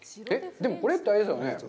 でも、これってあれですよね